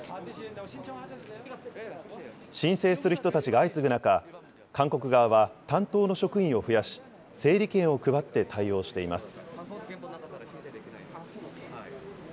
申請する人たちが相次ぐ中、韓国側は担当の職員を増やし、整理券を配って対応しています。